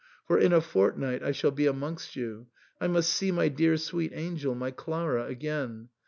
For in a fortnight I shall be amongst you. I must see my dear sweet angel, my Clara, again.